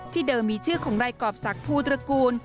ที่เดิมมีชื่อของไร่กอบสักผู้ตระกูล